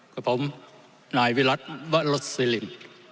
กับผมนายวิรัติวรสซิลิน